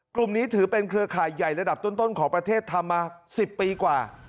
กลุ่มนี้ถือเป็นเครือข่ายใหญ่ระดับต้นของประเทศทำมา๑๐ปีกว่า